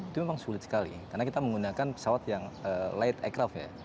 itu memang sulit sekali karena kita menggunakan pesawat yang light aircraft ya